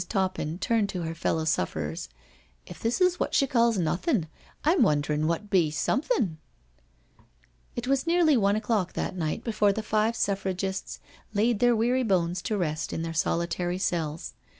Toppin turned to her fellow sufferers: "If this be what she calls ' nothin',' I'm wonderin' what be ' somethin* 1 " It was nearly one o'clock that night before the five Suffragists laid their weary bones to rest in their solitary cells.